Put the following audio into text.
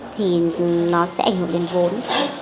thì nó sẽ ảnh hưởng đến vốn